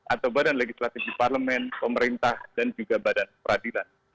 atau badan legislatif di parlemen pemerintah dan juga badan peradilan